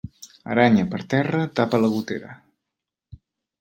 Aranya per terra, tapa la gotera.